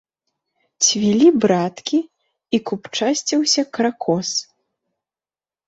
Цвілі браткі, і купчасціўся кракос.